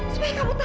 supaya kamu tau